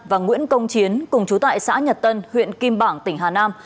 và nguyễn công chiến cùng chú tại xã nhật tân huyện kim bảng tỉnh hà nam